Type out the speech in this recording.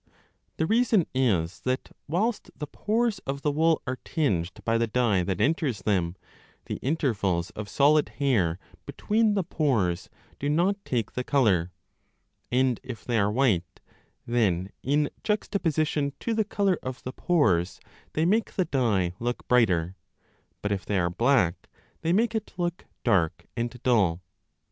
The reason is that whilst the pores of the wool are tinged by the dye that enters them, the intervals of solid hair between the pores do not take 794 b the colour, and if they are white, then in juxtaposition to the colour of the pores they make the dye look brighter, but if they are black, they make it look dark and dull.